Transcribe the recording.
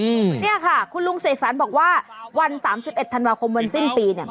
แล้วเนี่ยค่ะคุณลุงเสกสรรบอกว่าวัน๓๑ธันวาคมวันสิ้นปีเนี่ย